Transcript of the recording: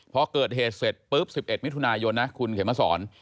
พอเกิดเหตุเสร็จปุ๊บ๑๑มิถุนายนนะคุณเขมสอน